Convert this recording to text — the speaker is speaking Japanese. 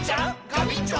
ガビンチョ！